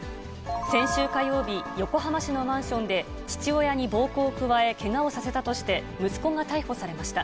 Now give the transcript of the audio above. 先週火曜日、横浜市のマンションで、父親に暴行を加え、けがをさせたとして、息子が逮捕されました。